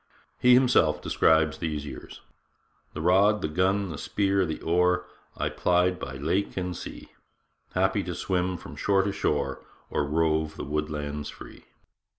He himself describes these years: The rod, the gun, the spear, the oar, I plied by lake and sea Happy to swim from shore to shore, Or rove the woodlands free.